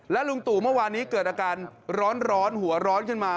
ลุงตู่เมื่อวานนี้เกิดอาการร้อนหัวร้อนขึ้นมา